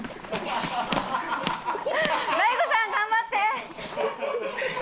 大悟さん頑張って！